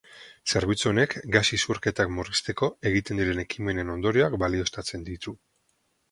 Zerbitzu honek gas isurketak murrizteko egiten diren ekimenen ondorioak balioztatzen diru.